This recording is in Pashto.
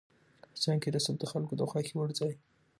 افغانستان کې رسوب د خلکو د خوښې وړ ځای دی.